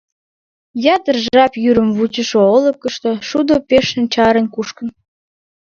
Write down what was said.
Ятыр жап йӱрым вучышо олыкышто шудо пеш начарын кушкын.